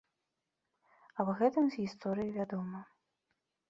Аб гэтым з гісторыі вядома.